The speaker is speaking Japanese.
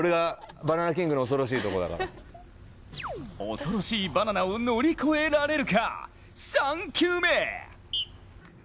恐ろしいバナナを乗り越えられるか、３球目。